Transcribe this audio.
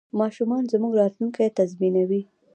ماشومان زموږ راتلونکی تضمینوي.